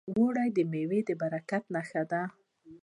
د اوړي میوې د برکت نښه ده.